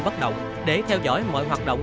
bắt động để theo dõi mọi hoạt động